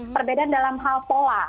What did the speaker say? perbedaan dalam hal pola